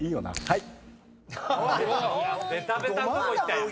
はい。